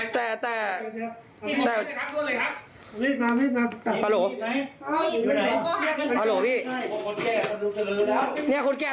ใช่มีมัดแขน